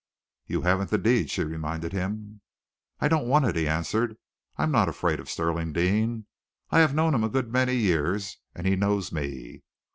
"You haven't the deed," she reminded him. "I don't want it," he answered. "I am not afraid of Stirling Deane. I have known him a good many years, and he knows me.